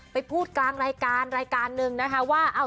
ไปพูดกลางรายการรายการหนึ่งนะคะว่า